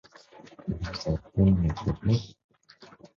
Bụng xẹp ve, ngực xẹp lép